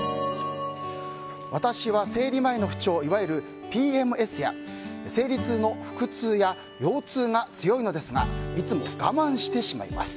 私は生理前の不調いわゆるＰＭＳや生理中の腹痛や腰痛が強いのですがいつも我慢してしまいます。